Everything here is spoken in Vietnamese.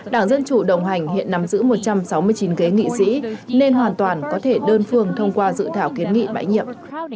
đảng dân chủ đồng hành hiện nắm giữ một trăm sáu mươi chín kế nghị sĩ nên hoàn toàn có thể đơn phương thông qua dự thảo kiến nghị bãi nhiệm